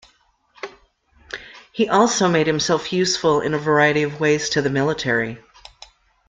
He also make himself useful in a variety of ways to the military.